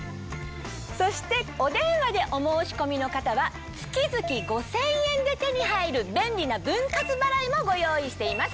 そしてお電話でお申し込みの方は月々５０００円で手に入る便利な分割払いもご用意しています。